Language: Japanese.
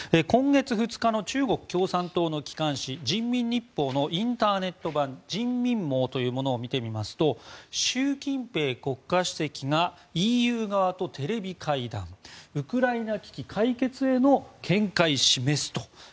今月２日の中国共産党の機関紙人民日報のインターネット版、人民網というものを見てみますと習近平国家主席がＥＵ側とテレビ会談。ウクライナ危機解決への見解示すと。